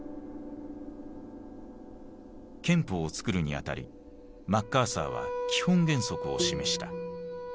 憲法をつくるに当たりマッカーサーは基本原則を示した。